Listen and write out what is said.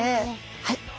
はい。